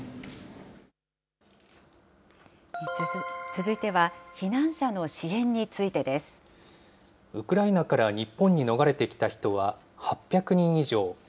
続いては、避難者の支援についてです。ウクライナから日本に逃れてきた人は８００人以上。